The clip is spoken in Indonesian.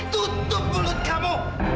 tutup mulut kamu